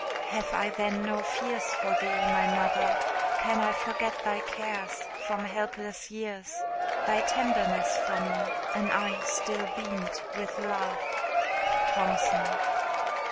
"Have I then no fears for thee, my mother? Can I forget thy cares, from helpless years Thy tenderness for me? an eye still beamed With love!" THOMPSON.